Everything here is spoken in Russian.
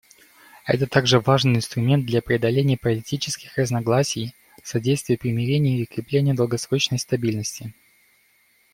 Это также важный инструмент для преодоления политических разногласий, содействия примирению и укрепления долгосрочной стабильности.